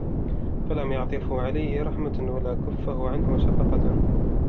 فَلَمْ يُعْطِفْهُ عَلَيْهِ رَحْمَةٌ وَلَا كَفَّهُ عَنْهُ شَفَقَةٌ